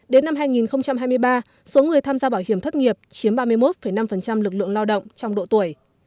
đến năm hai nghìn hai mươi ba số người tham gia bảo hiểm thất nghiệp chiếm ba mươi một năm lực lượng lao động trong độ tuổi